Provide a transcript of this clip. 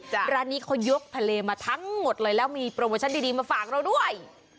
ร้านนี้เขายกทะเลมาทั้งหมดเลยแล้วมีโปรโมชั่นดีมาฝากเราด้วย